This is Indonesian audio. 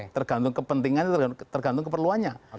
tergantung kepentingannya tergantung keperluannya